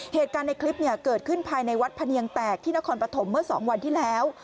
เหตุการณ์ในคลิปเกิดขึ้นภายในวัดพะเนียงแตกที่นครปฐมเมื่อ๒วันที่แล้ว